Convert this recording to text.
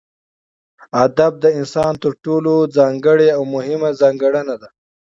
ادب دانسان تر ټولو ځانګړې او مهمه ځانګړنه ده